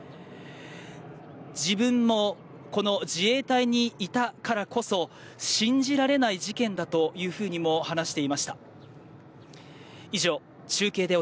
自分もこの自衛隊にいたからこそ信じられない事件だとも話していました。